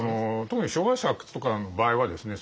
特に「昭和史発掘」とかの場合はですね